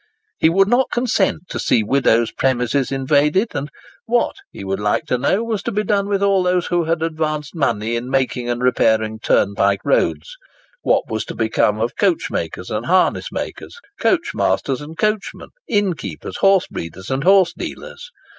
He would not consent to see widows' premises invaded; and "What, he would like to know, was to be done with all those who had advanced money in making and repairing turnpike roads? What was to become of coach makers and harness makers, coach masters and coachmen, inn keepers, horse breeders, and horse dealers?